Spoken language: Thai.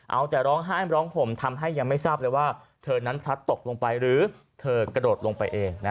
เอาแต่ร้องไห้ร้องห่มทำให้ยังไม่ทราบเลยว่าเธอนั้นพลัดตกลงไปหรือเธอกระโดดลงไปเอง